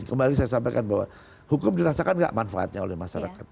kembali saya sampaikan bahwa hukum dirasakan nggak manfaatnya oleh masyarakat